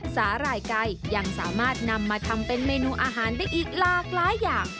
สาหร่ายไก่ยังสามารถนำมาทำเป็นเมนูอาหารได้อีกหลากหลายอย่าง